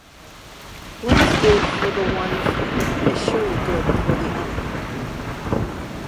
What is good for the one foot is surely good for the other.